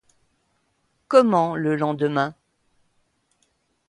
Comment, le lendemain?